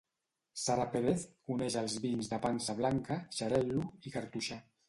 Sara Pérez coneix els vins de pansa blanca, xarel·lo i cartoixà